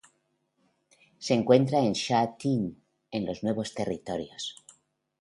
Se encuentra en Sha Tin, en los Nuevos Territorios.